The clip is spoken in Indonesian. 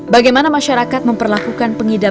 bagaimana masyarakat memperlakukan penghidupan